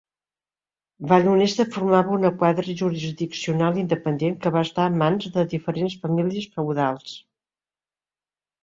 Vallhonesta formava una quadra jurisdiccional independent que va estar en mans de diferents famílies feudals.